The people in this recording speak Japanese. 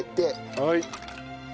はい。